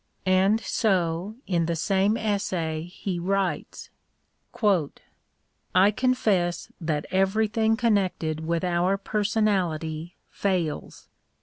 And so in the same essay he writes : I confess that everything connected vsrith our personality fails.